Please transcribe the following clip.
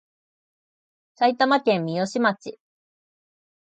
埼玉県三芳町